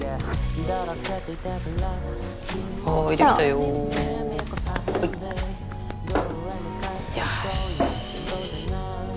よし。